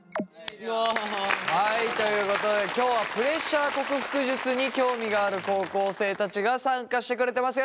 はいということで今日はプレッシャー克服術に興味がある高校生たちが参加してくれてます。